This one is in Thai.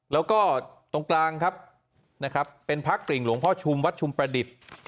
แล้วก็ตรงกลางครับนะครับเป็นพักกลิ่งหลวงพ่อชุมวัดชุมประดิษฐ์